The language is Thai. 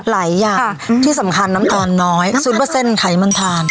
หลายอย่างที่สำคัญน้ำตาลน้อย๐ไขมันทาน